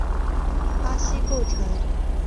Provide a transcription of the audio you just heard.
巴西构成。